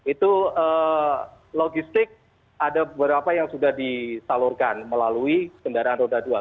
itu logistik ada beberapa yang sudah disalurkan melalui kendaraan roda dua